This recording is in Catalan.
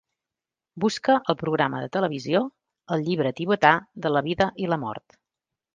busca el programa de televisió El llibre tibetà de la vida i la mort